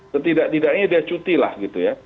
setidak tidaknya dia cuti lah gitu ya